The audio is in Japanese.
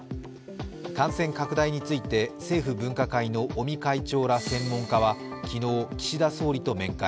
感染拡大について、政府分科会の尾身会長ら専門家は昨日、岸田総理と面会。